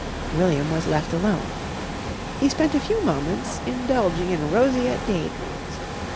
William was left alone. He spent a few moments indulging in roseate day dreams.